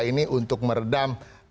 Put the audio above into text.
ini untuk meredam